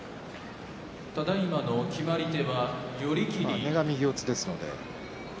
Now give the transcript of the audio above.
あれが右四つです。